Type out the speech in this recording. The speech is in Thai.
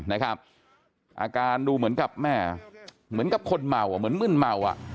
อาการดูเหมือนกับแม่เหมือนกับคนเมาอ่ะเหมือนมึนเมาอ่ะ